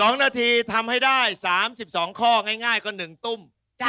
๒นาทีทำให้ได้๓๒ข้อง่ายก็๑ตุ้ม